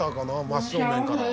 真っ正面からは」